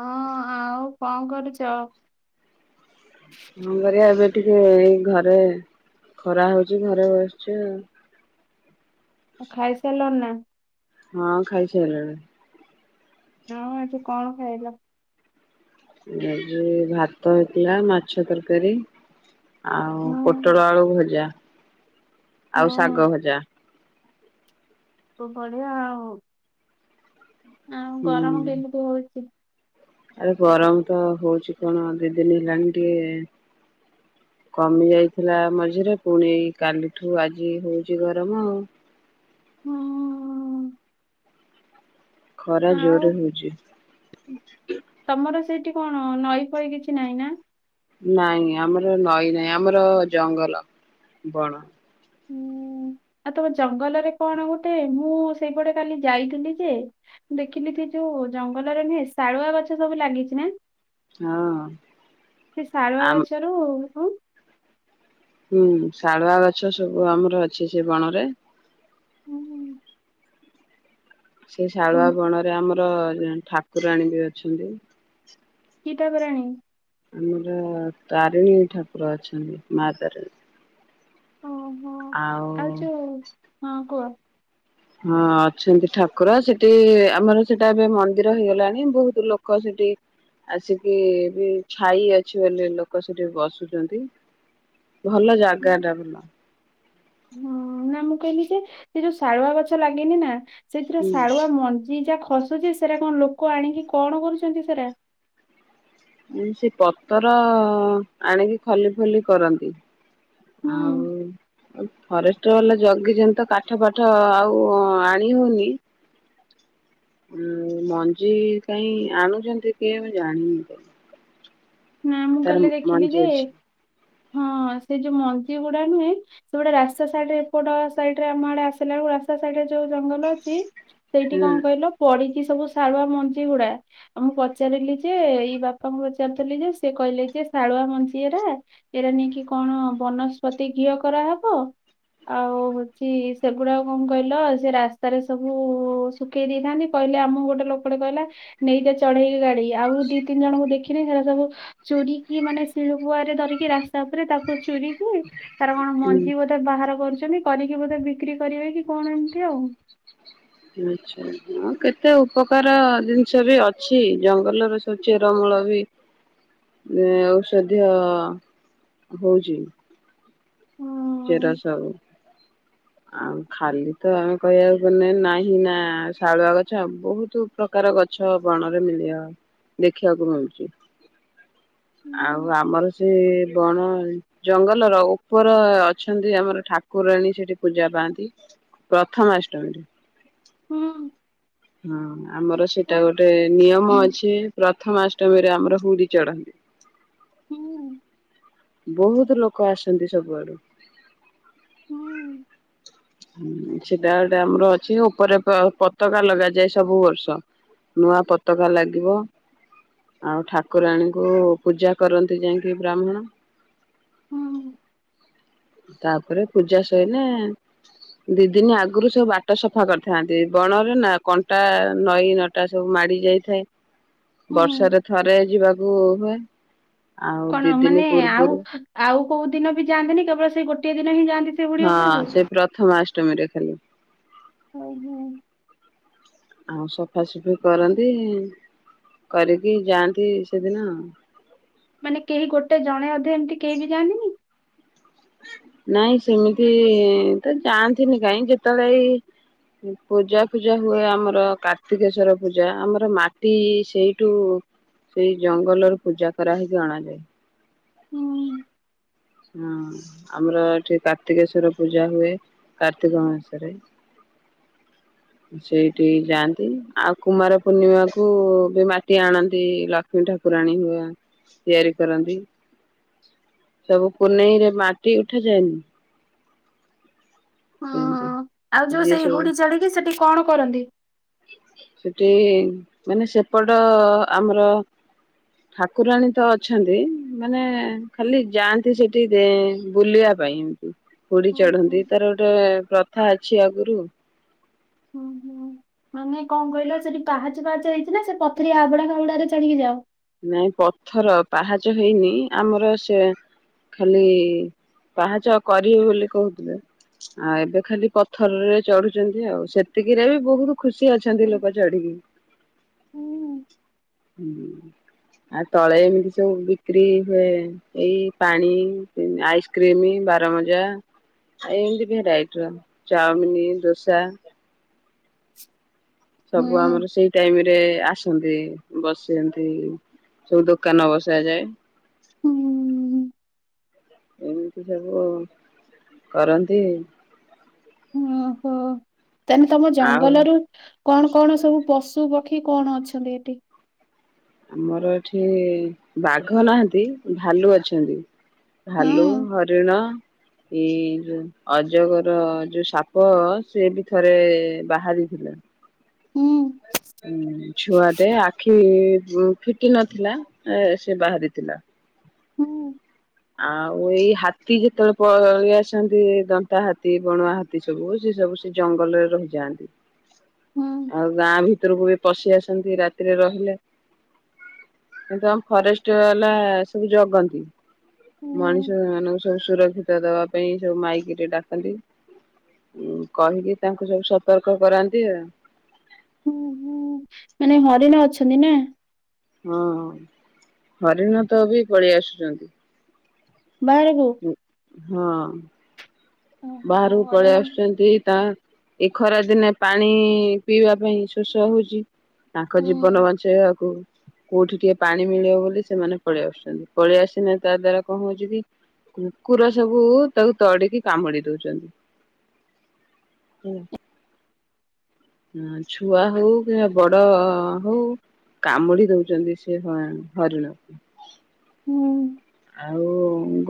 ହଁ ଆଉ କଣ କରୁଛ? ହଁ କରିବା ଏବେ ଟିକେ ଏଇ ଘରେ ଖରା ହଉଛି ଘରେ ବସଛି ଆଉ ଖାଇ ସାରିଲଣି ନା ହଁ ଖାଇସାରିଲିଣି। ହଁ ଆଜି କଣ ଖାଇଲ? ଭାତ ହେଇଥିଲା ମାଛ ତରକାରୀ ଆଉ ହଁ ପୋଟଳ ଆଳୁ ଭଜା ଆଉ ହଁ ଶାଗ ଭଜା। ତ ବଢିଆ ଆଉ ଆଉ ଗରମ ହୁଁ କେମିତି ହଉଚି ଆରେ ଗରମ ତ ହଉଛି କଣ ଦି ଦିନ ହେଲାଣିି ଟିକେ କମି ଯାଇଥିଲା ମଝିରେ, ପୁଣି କାଲିଠୁ ଆଜି ହଉଚି ଗରମ ଆଉ। ହଁ। ଖରା ଜୋରେ ହଉଚି। ତମର ସେଇଠି କଣ ନଈ ପଇ କିଛି ନାହିଁ ନା? ନାଇଁ ଆମର ନଈ ନାଇଁ, ଆମର ଜଙ୍ଗଲ ବଣ ହୁଁ ଆଉ ତମ ଜଙ୍ଗଲରେ କଣ ଗୋଟେ ମୁଁ ସେଇପଟେ କାଲି ଯାଇଥିଲି ଯେ ଦେଖିଲି ସେ ଯୋଉ ଜଙ୍ଗଲରେ ନୁହେଁ ଶାଳୁଆ ଗଛ ସବୁ ଲାଗିଚି ନା? ହଁ ସେ ଶାଳୁଆ ଆମ ଗଛରୁ ହଁ। ହୁଁ, ଶାଳୁଆ ଗଛ ସବୁ ଆମର ଅଛି ସେ ବଣରେ। ହୁଁ, ହୁଁ। ସେଇ ଶାଳୁଆ ବଣରେ ଆମର ର ଠାକୁରାଣୀ ବି ଅଛନ୍ତି। କି ଠାକୁରାଣୀ? ଆମର ତାରିଣୀ ଠାକୁର ଅଛନ୍ତି, ମା ତାରିଣୀ। ଓହୋ ଆଉ ଯଉ ହଁ କୁହ। ହଁ ଅଛନ୍ତି ଠାକୁର ସେଠି ଆମର ସେଟା ଏବେ ମନ୍ଦିର ହେଇଗଲାଣି ବହୁତ ଲୋକ ସେଠି ଆସିକି ବି ଛାଇ ଅଛି ବୋଲି ଲୋକ ସେଠି ବସୁଚନ୍ତି। ଭଲ ହଁ ଜାଗାଟା ବୁଲା। ନା ମୁଁ କହିଲି ଯେ ସେ ଯୋଉ ସାରୁୁଆ ଗଛ ଲାଗିନି ନା। ସେଥିରେ ହୁଁ ଶାଳୁଆ ମଞ୍ଜି ଯା ଖସୁଚି ସେଟା କଣ ଲୋକ ଆଣିକି କଣ କରୁଛନ୍ତି ସେରା। ସେ ପତର ଆଣିକି ଖଲି ଫଲି କରନ୍ତି। ହୁଁ। ଉ ଫରେଷ୍ଟ ବାଲା ଜଗି ଚନ୍ତି ତ କାଠ ପାାଠ ଆଉ ଆଣି ହଉନି। ଉ ମଞ୍ଜି କାଇଁ ଆଣୁଚନ୍ତି କିଏ ମୁଁ ଜାଣିନି। ନା ମୁଁ ତାର କାଲି ଦେଖିଲି ମଞ୍ଜି ଯେ ଅଛି ହଁ ସେ ଯଉ ମଞ୍ଜି ଗୁଡା ନୁହେଁ ସେଗୁଡ଼ା ରାସ୍ତା ସାଇଡରେ ଏପଟ ସଡରେ ଆମ ଆଡେ ଆସିଲା ବ ରାସ୍ତା ସାଇଡ ଯଉ ଜଙ୍ଗଲ ଅଛି ସେଇଠି ହଁ କଣ କହିଲ ପଡି ସେ ସବୁ ଶାଳୁଆ ମଞ୍ଜି ହୁଡା ଆ ମୁଁ ପଚାରିଲି ଯେ ଏଇ ବାପାଙ୍କୁ ପଚାର ଥିଲି ଯେ ସେ କହିଲେ ଯେ ଶାଳୁଆ ମଞ୍ଜି ଏରା ଏଟା ନେଇକି କଣ ବନସ୍ପତି ଘିଅ କରାହବ ଆଉ ହଉଚି ସେଗୁଡାକ କଣ କହିଲ ସେଟା ରାସ୍ତାରେ ସବୁ ଶୁଖେଇ ଦେଇଥାନ୍ତି କହିଲେ ଆମକୁ ଗୋଟେ ଲୋକଟେ କହିଲା ନେଇଟ ଚଢେଇକି ଗାଡି ଆଉ ଦି ତିନି ଜଣଙ୍କୁ ଦେଖି କି ରେ ହ ସବୁ ଚରି କିି ମାନେ ଶିଳୁପୁଆରେ ଧରିକି ରାସ୍ତା ଉପରେ ତାକୁ ଚୁରିକି ତାର କଣ ହୁଁ। ମଞ୍ଜି ବୋଧେ ବାହାର କରୁଚନ୍ତି। କରିକି ବୋଧେ ବିକ୍ରି କରିବେ କି କଣ ଏମିତି ଆଉ। ଆଚ୍ଛା କେତେ ଉପକାର ଜିନିଷ ବି ଅଛି ଜଙ୍ଗଲରେ ସବୁ ଚେରମୂଳ ବି ଔଷଧୀୟ ହଉଛି। ହୁଁ। ଚେରା ସବୁ ଆଉ ଖାଲି ତ ଆମେ କହିବାକୁ ପନ ନାହିଁ ନା ଶାଳୁଆ ଗଛ ବହୁତ ପ୍ରକାର ଗଛ ବଣରେ ମିଳିବ ଦେଖିବାକୁ ମିଳୁଛି। ଆଉ ହୁଁ ଆମର ସେ ବଣ ଜଙ୍ଗଲର ଉପର ଅ ଅଛନ୍ତି ଆମର ଠାକୁରାଣୀ ସେଠି ପୂଜା ପାଆନ୍ତି ପ୍ରଥମାଷ୍ଟମୀରେ। ହୁଁ। ହଁ ଆମର ସେଇଟା ହୁଁ ଗୋଟେ ନିୟମ ଅଛି। ପ୍ରଥମାଷ୍ଟମୀରେ ଆମର ହୁରି ଚଢନ୍ତି। ହୁଁ। ବହୁତ ଲୋକ ଆସନ୍ତି ସବୁଆଡୁ ହୁଁ [inaudible] ସେଟା ଗଟେ ଆମର ଅଛି ଉପରେ ପତାକା ଲଗାଯାଏ। ଯାଇଏ ସବୁ ବର୍ଷ ନୂଆ ପତାକା ଲାଗିବ ଆଉ ଠାକୁରାଣୀଙ୍କୁ ପୂଜା କରନ୍ତି ଯାଇକି ବ୍ରାହ୍ମଣ। ହୁଁ। ତାପରେ ପୂଜା ସଇଁନେ ଦି ଦିନ ଆଗୁରୁ ସବୁ ବାଟ ସଫା କରିଥାନ୍ତି। ବଣରେ ନା କଣ୍ଟା ନଈ ନଟା ସବୁ ମାଡି ଯାଇଥାଏ। ହୁଁ ବର୍ଷ ରେ ଥରେ ଯିବାକୁ ଓ କଣ ମାନେ ଆଉ ଆଉ କୋଉ ଦିନ ବି ଯାଆନ୍ତିନି। କେବଳ ସେଇ ଗୋଟିଏ ଦିନ ହିଁ ଯାଆନ୍ତି। ସେ ବୁଢୀ ହଁ ଉପରକୁ। ସେ ପ୍ରଥମା ସ ଅଷ୍ଟମିରେ ଖାଲି। ହଉ ହଉ। ଆଉ ସଫାସୁଫି କରନ୍ତି। କରିକି ଯାଆନ୍ତି ସେଦିନ ମାନେ କେହି ଗୋଟେ ଜଣେ ଅଧେ ଏମତି କେହି ବି ଯାଆନ୍ତିନି। ନାଇଁ ସେମିତି ତ ଯାଆନ୍ତିନି କାଇଁ। ଯେତେବେଳେ ଏଇ ପୂଜା ଫୂଜା ହୁଏ ଆମର କାର୍ତ୍ତିକେଶ୍ଵର ପୂଜା ଆମର ମାଟି ସେଇଠୁ ସେଇ ଜଙ୍ଗଲର ପୂଜା କରା ହେଇକି ଅଣାଯାଏ। ହୁଁ ହଁ ଆମର ଏଠି କାର୍ତ୍ତିକେଶ୍ଵର ପୂଜା ହୁଏ। କାର୍ତ୍ତିକ ମାସରେ ସେଇଠି ଯାଆନ୍ତି ଆଉ କୁମାର ପୂର୍ଣ୍ଣିମାକୁ ବି ମାଟି ଆଣନ୍ତି। ଲକ୍ଷ୍ମୀ ଠାକୁରାଣୀ ହୁଏ ତିଆରି କରନ୍ତି। ସବୁ ପୂନେଇରେ ମାଟି ଉଠାଯାଏନି। ହଁ ସେମିତି ଆଉ ଯୋଉ ଯିଏ ସେଇ ସବୁ ହୁଡି ଚଳିକି ସେଠି କଣ କରନ୍ତି? ସେଠି ମାନେ ସେପଟ ଆମର ଠାକୁରାଣୀ ତ ଅଛନ୍ତି। ମାନେ ଖାଲି ଯାଆନ୍ତି ସେଠି ବୁଲିବା ପାଇଁ ଏମତି ହୁଡି ଚଢନ୍ତି ତାର ଗୋଟେ ପ୍ରଥା ଅଛି ଆଗରୁ। ମାନେ କଣ କହିଲ ସେଠି ପାହାଚ ପାହାଚ ହେଇଛି ନା ସେ ପଥର ଆଉୁଡା ଖାଉୁଡାରେ ଛାଲିକି ଯାଅ। ନାଇଁ ପଥର ପାହାଚ ହେଇନି ଆମର ସେ ଖାଲି ପାହାଚ କରିବେ ବୋଲି କହୁଥିଲେ। ଆଉ ଏବେ ଖାଲି ପଥରରେ ଚଢୁଛନ୍ତି। ଆଉ ସେତିକିରେ ବି ବହୁତ ଖୁସି ଅଛନ୍ତିଲୋକ ଚଢିକି। ହୁଁ। ହୁଁ। ଆ ତଳେ ଏମିତି ସବୁ ବିକ୍ରି ହୁଏ। ଏଇ ପାଣି ଆଇସ୍କ୍ରିମ ବାରମଜା ଏମିତି ଭେରାଇଟିର ଚାଉମିିନ ଦୋସା। [inaudible] ସବୁ ଆମର ସେଇ ଟାଇମରେ ଆସନ୍ତି ବସନ୍ତି ସବୁ ଦୋକାନ ବସାଯାଏ। ହୁଁ ଏମିତି ସବୁ କରନ୍ତି। ଓ ହୋ। ତାହାନେ ତମ ଆଉ ଜଙ୍ଗଲରୁୁ କଣ କଣ ସବୁ ପଶୁ ପକ୍ଷୀ କଣ ଅଛନ୍ତି ଏଠି? ଆମର ଏଠି ବାଘ ନାହାନ୍ତି ଭାଲୁ ଅଛନ୍ତି। ହୁଁ ଭାଲୁ ହରିଣ ଏଇ ଯୋଉ ଅଜଗର ଯୋଉ ସାପ ସେ ବି ଥରେ ବାହାରିଥିଲା। ହୁଁ। ଛୁଆରେ ଆଖି ଫିଟି ନଥିଲା ସେ ବାହାରିଥିଲା। ହୁଁ ଆଉ ଏଇ ହାତୀ ଯେତେବେଳେ ପଳେଇ ଆସନ୍ତି ଦନ୍ତା ହାତୀ ବଣୁଆ ହାତୀ ସବୁ ସେ ସବୁ ସେ ଜଙ୍ଗଲରେ ରହିଯାଆନ୍ତି। ହୁଁ ଆଉ ଗାଁ ଭିତରକୁ ବି ପଶି ଆସନ୍ତି ରାତିରେ ରହିଲେ କିନ୍ତୁ ଆମ ଫରେଷ୍ଟ ବାଲା ସବୁ ଜଗନ୍ତି। ମଣିଷ ହୁଁ ମାନ ସବୁ ସୁରକ୍ଷିତ ଦବା ପାଇଁ ସବୁ ମାଇକିରେ ଡାକନ୍ତି। କହିକି ତାଙ୍କୁ ସବୁ ସତର୍କ କରାନ୍ତି ଆଉ। ହଁ ହଁ ମାନେ ହରିଣ ଅଛନ୍ତି ନା। ହଁ ହରିଣ ତ ବି ପଳେଇ ଆସୁଛନ୍ତି। ବାହାରୁକୁ। ହଁ। ବାହାରକୁ ପଳେଇ ହରିଣ ଆସୁଛନ୍ତି। ତା ଏଇ ଖରା ଦିନେ ପାଣି ପିଇବା ପାଇଁ ଶୋଷ ହୋଉଛି। ତାଙ୍କ ଜୀବନ ହୁଁ। ବଞ୍ଚେଇବାକୁ କୋଉଠି ଟିକେ ପାଣି ମିଳିବ ବୋଲି ସେମାନେ ପଳେଇ ଆସୁଛନ୍ତି ପଳେଇ ଆସନାେ ତା ଦ୍ଵାରା କଣ ହଉଛି କୁକୁର ସବୁ ତାକୁ ତଡିକି କାମୁଡି ଦଉଛନ୍ତି ଛୁଆ ହଉ କିମ୍ବା ବଡ ହଉ କାମୁଡି ଦଉଛନ୍ତି ସେ ହ ହରିଣକୁ ହୁଁ ଆଉ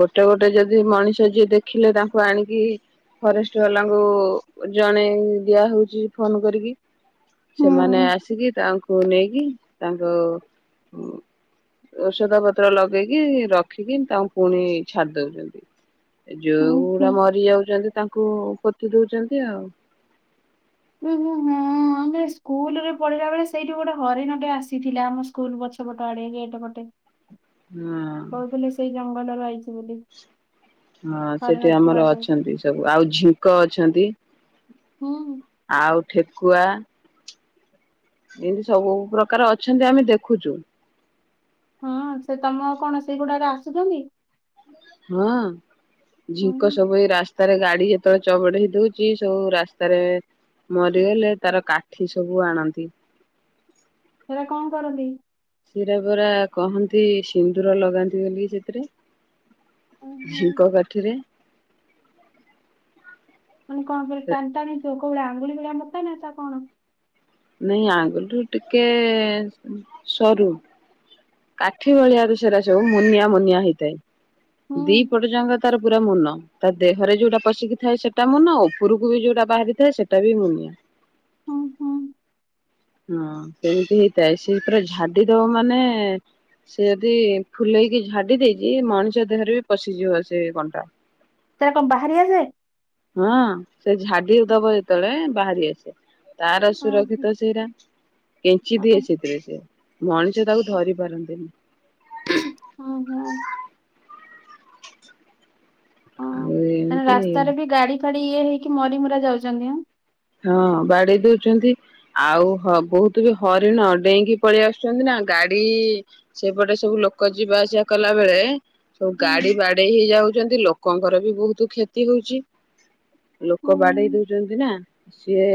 ଗୋଟେ ଗୋଟେ ଯଦି ମଣିଷ ଯିଏ ଦେଖିଲେ ତାଙ୍କୁ ଆଣିକି ଫରେଷ୍ଟ ବାଲାଙ୍କୁ ଜଣେଇ ଦିଆ ହଉଛି ଫୋନ କରିକି ହୁଁ ସେମାନେ ଆସିକି ତାଙ୍କୁ ନେଇକି ତାଙ୍କୁ ଔଷଧ ପତ୍ର ଲଗେଇକି ରଖ ରଖିକି ତାଙ୍କୁ ପୁଣି ଛାଡ଼ି ଦଉଛନ୍ତି। ହୁଁ। ଯୋଉଗୁଡା ମରି ଯାଉଛନ୍ତି ତାଙ୍କୁ କି ଦଉଛନ୍ତି ଆଉ ଉ ହୁଁ ହୁଁ ଆମେ ସ୍କୁଲ ରେ ପଢିଲା ବେଳେ ସେଇଠି ଗୋଟେ ହରେଣଟେ ଆସିଥିଲା ଆମ ସ୍କୁଲ ପଛ ପଟ ଆଡେ ଗେଟ ଗଟେ ହଁ କହୁଥିଲେି ସେଇ ଜ ମନ ରହିଛି। ହଁ ସେଠି ଆମର ଛୁଆଟେ। ଅଛନ୍ତି ସବୁ ଆଉ ଝିଙ୍କ ଅ ଅଛନ୍ତି। ହୁଁ। ଆଉ ଠେକୁଆ ଏମିତି ସବୁ ପ୍ରକାର ଅଛନ୍ତି ଆମେ ଦେଖୁଛୁ। ହଁ ସେ ତମ କଣ ସେଗୁଡାରେ ଆସୁଛନ୍ତି। ହଁ। ଝିଙ୍କ ହୁଁ ସବୁ ଏ ରାସ୍ତା ରାସ୍ତାରେ ଗାଡି ଯେତେବେଳେ ଚବଡ ହେଇ ଦଉଛି ସବୁ ରାସ୍ତାରେ ମରିଗଲେ ତାର କାଠି ସବୁ ଆଣନ୍ତି। ସେଟା କଣ କରନ୍ତି? ସିରା ପରା କହନ୍ତି ସିନ୍ଦୁର ଲଗାନ୍ତି ବୋଲି ସେଥିରେ ଓହୋ ଝିଙ୍କ କାଠିରେ ମାନେ କଣିବ ଟାଣି ତ କେଉଡା ଆଙ୍ଗୁଳି ଭଳିଆ ମୋଟା ନତା କଣ ନାଇଁ ଆଙ୍ଗୁଠିରୁୁ ଟିକେ ସରୁ କାଠି ଭଳିଆରେ ସେଟା ସବୁ ମୁନିଆ ମୁନିଆ ହେଇଥାଏ। ହୁଁ ଦି ପଟଯାଙ୍ଗ ତାର ପୁରା ମୁନ ତ ଦେହରେ ଯୋଉଟା ପଶିକି ଥାଏ ସେଟା ମୁନ ଉପରକୁ ବି ଯୋଉଟା ବାହାରିଥାଏ ସେଟା ବି ମୁନି ହୁଁ ହୁଁ। ହଁ ସେମିତି ହେଇଥାଏ ସେ ପୁରା ଝାଡି ଦବ ମାନେ ସେ ଯଦି ଫୁଲେଇକି ଝାଡି ଦେଇଛି ମଣିଷ ଦେହରେ ବି ପଶିଯିବ ସେ କଣ୍ଟା ସେଟା କଣ ବାହାରି ଆସେ? ହଁ ସେ ଝାଡି ଦବ ଯେତେବେଳେ ବାହାରି ଆସେ ତାର ହଁ ହଁ ସୁରକ୍ଷିତ ସେଇଟା କେଞ୍ଚି ଦିଏ ସେଥିରେ ସେ ମଣିଷ ତାକୁ ଧରି ପାରନ୍ତିନି ହୁଁ ହୁଁ। ହଁ ଆଉ ତେଣୁ ଏମିତି ରାସ୍ତାରେ ବି ଗାଡି ଫାଡି ଇଏ ହେଇକ ମରି ମୁରା ଯାଉଛନ୍ତି ଏଁ। ହଁ ବାଡେଇ ଦେଉଛନ୍ତି ଆଉ ହ ବହୁତ ବି ହରିଣ ଡେଇଁକି ପଳେଇ ଆସୁଛନ୍ତି ନା ଗାଡି ସେପଟେ ସବୁ ଲୋକ ଯିବା ଆସିଆ କଲା ବେଳେ ସବୁ ଗାଡି ବାଡେଇ ହେଇ ଯାଉଛନ୍ତି ଲୋକଙ୍କର ବି ବହୁତ କ୍ଷତି ହଉଛି। ଲୋକ ବାଡେଇ ଦଉଛନ୍ତି ନା। ସିଏ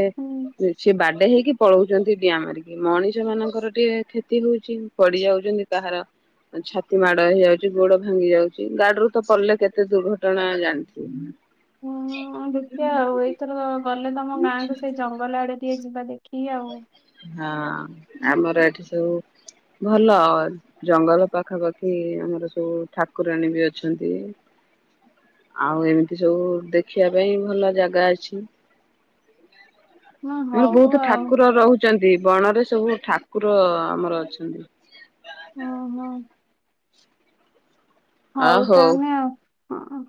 ସିଏ ବାଡେଇ ହେଇକି ପଳଉଛନ୍ତି ଡିଆଁ ମାରିକି ମଣିଷ ମାନଙ୍କର ଟିକେ କ୍ଷତି ହଉଛି ପଡି ଯାଉଛନ୍ତି କାହାର ଛାତି ମାଡ ହେଇଯାଉଛି ଗୋଡ ଭାଙ୍ଗି ଯାଉଛି ଗାଡିରୁ ତ ପଡିଲେ କେତେ ଦୁର୍ଘଟଣା ଜାଣିଥିବ। ହଁ ହଁ ଆଉ ଦେଖିଆ ଆଉ ଏଇଥର ଗଲେ ତମ ଗାଁକୁ ସେଇ ଜଙ୍ଗଲ ଆଡେ ଟିକିଏ ଯିବା ଦେଖି ଆଉ। ହଁ ଆମର ଏଠି ସବୁ ଭଲ ଜଙ୍ଗଲ ପାଖା ପାଖି ଆମର ସବୁ ଠାକୁରାଣୀ ବି ଅଛନ୍ତି ଆଉ ଏମିତି ସବୁ ଦେଖିବା ପାଇଁ ଭଲ ଜାଗା ଅଛି। ହଁ ଆମର ହଉ ବହୁତ ଆଉ ଠାକୁର ରହୁ ଚନ୍ତି ବଣରେ ସବୁ ଠାକୁର ଆମର ଅଛନ୍ତି। ଓହୋ। ହଉ ତାହଲେ ଆଉ। ହଁ।